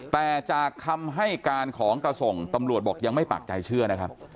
แต่จากคำให้การของกระส่งตำรวจบอกยังไม่ปากใจเชื่อนะครับ